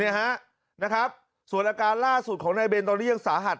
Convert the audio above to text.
นะครับส่วนอาการล่าสุดของนายเบนตอนนี้ยังสาหัส